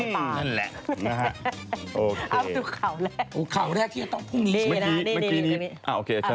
บอกว่าเดี๋ยววิ่งเข้ามาแล้วก็กระต่ายปาก